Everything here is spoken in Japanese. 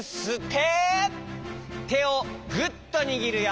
てをグッとにぎるよ。